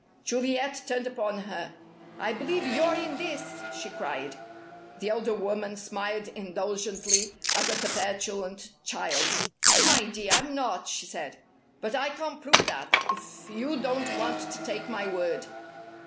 Juliet turned upon her. "I believe you're in this!" she cried. The elder woman smiled indulgently, as at a petulant child. "My dear, I'm not!" she said. "But I can't prove that, if you don't want to take my word."